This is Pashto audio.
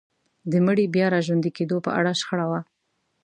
د مړي د بيا راژوندي کيدو په اړه شخړه وه.